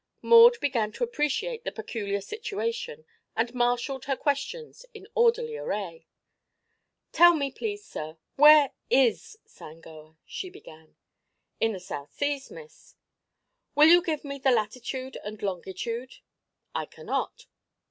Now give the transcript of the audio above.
Maud began to appreciate the peculiar situation and marshalled her questions in orderly array. "Tell me, please, where is Sangoa?" she began. "In the South Seas, Miss." "Will you give me the latitude and longitude?" "I cannot."